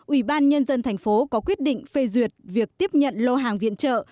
ubnd thành phố có quyết định phê duyệt việc tiếp nhận lô hàng viện trợ